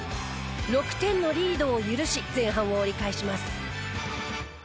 ６点のリードを許し前半を折り返します。